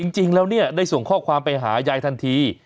จริงแล้วเนี่ยได้ส่งข้อความไปหายายทันที